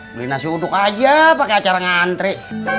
beli nasi uduk aja pakai acara ngantri